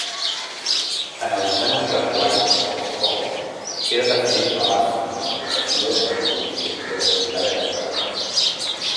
Analitzant un carruatge qualsevol queda definit l’abast de la professió del constructor en cada època.